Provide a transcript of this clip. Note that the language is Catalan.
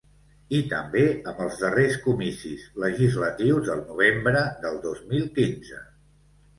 I també amb els darrers comicis legislatius del novembre del dos mil quinze.